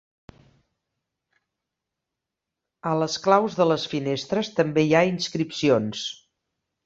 A les claus de les finestres també hi ha inscripcions.